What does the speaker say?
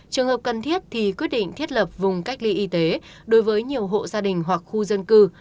trường hợp cần thiết thì quyết định thiết lập vùng cách ly y tế đối với nhiều hộ gia đình hoặc khu dân cư